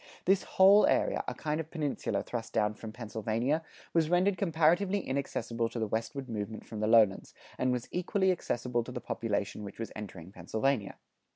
This whole area, a kind of peninsula thrust down from Pennsylvania, was rendered comparatively inaccessible to the westward movement from the lowlands, and was equally accessible to the population which was entering Pennsylvania.